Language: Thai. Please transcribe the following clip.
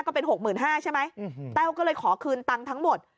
ก็เป็นหกหมื่นห้าใช่ไหมอืมแต้วก็เลยขอคืนตังค์ทั้งหมด